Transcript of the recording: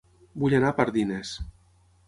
Vull anar a Pardines